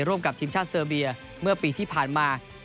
ร่วมกับทีมชาติเซอร์เบียเมื่อปีที่ผ่านมา